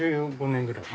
３５年ぐらい？